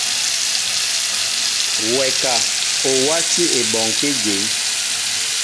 Wɛ ka o wátí ebɔŋkí dǐn.